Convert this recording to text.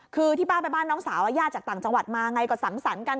คือที่ป้าไปบ้านน้องสาวย่าจากต่างจังหวัดมาไงก็สังสรรค์กัน